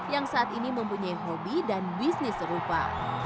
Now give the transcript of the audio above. yang saat ini mempunyai hobi dan bisnis serupa